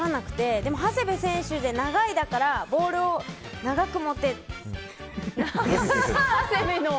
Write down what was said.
でも長谷部選手で、長いだからボールを長く持て！